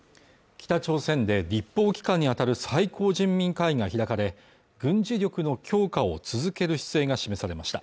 北朝鮮で立法機関に当たる最高人民会議が開かれ軍事力の強化を続ける姿勢が示されました